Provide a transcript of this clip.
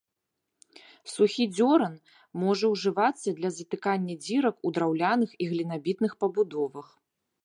Сухі дзёран можа ўжывацца для затыкання дзірак у драўляных і глінабітных пабудовах.